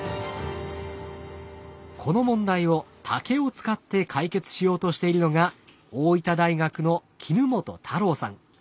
この問題を竹を使って解決しようとしているのが大分大学の衣本太郎さん。